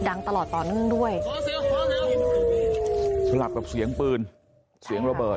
พวกมันกลับมาเมื่อเวลาที่สุดพวกมันกลับมาเมื่อเวลาที่สุด